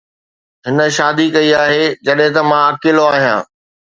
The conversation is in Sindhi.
هن شادي ڪئي آهي جڏهن ته مان اڪيلو آهيان